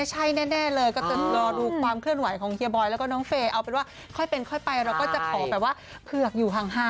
ห้างไกลแล้วกันนะคะพี่บอร์ย